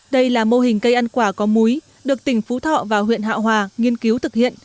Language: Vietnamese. đây là mô hình cây ăn quả có múi được tỉnh phú thọ và huyện hạ hòa nghiên cứu thực hiện